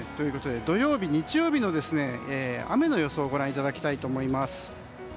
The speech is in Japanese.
土曜日、日曜日の雨の予想をご覧いただきたいと思います。